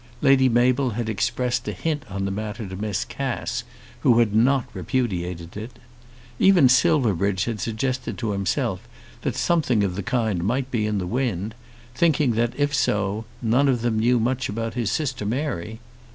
Lady Mabel had expressed a hint on the matter to Miss Cass, who had not repudiated it. Even Silverbridge had suggested to himself that something of the kind might be in the wind, thinking that, if so, none of them knew much about his sister Mary.